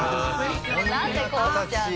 なんでこうしちゃうの？